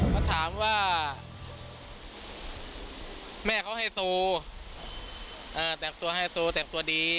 เขาถามว่าแม่เขาให้โตแต่งตัวให้โตแต่งตัวดี